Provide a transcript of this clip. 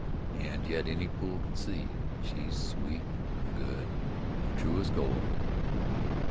An' yet any fool could see she's sweet, an' good, an' true as gold."